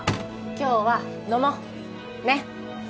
今日は飲もうねっ！